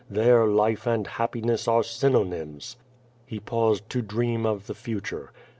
There life ' and happiness are synonyms!" He paused to dream of the future.